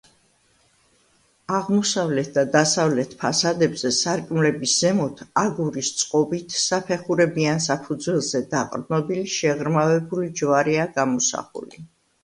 აღმოსავლეთ და დასავლეთ ფასადებზე, სარკმლების ზემოთ, აგურის წყობით, საფეხურებიან საფუძველზე დაყრდნობილი, შეღრმავებული ჯვარია გამოსახული.